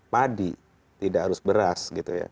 padi tidak harus beras